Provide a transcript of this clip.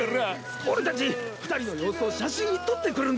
俺たち２人の様子を写真に撮ってくるんで。